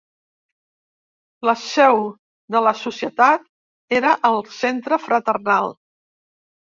La seu de la societat era al Centre Fraternal.